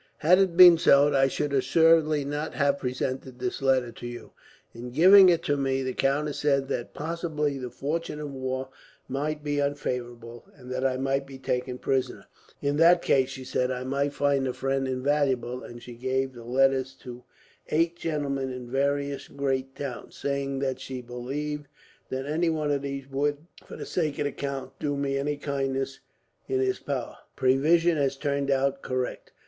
Had it been so, I should assuredly not have presented this letter to you. In giving it to me, the countess said that possibly the fortune of war might be unfavourable, and that I might be taken prisoner. In that case, she said I might find a friend invaluable, and she gave me letters to eight gentlemen in various great towns, saying that she believed that any one of these would, for the sake of the count, do me any kindness in his power. "Her prevision has turned out correct.